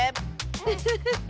ウフフフ。